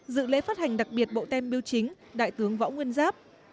dự lễ phát hành đặc biệt bộ tem biêu chính đại tướng võ nguyên giáp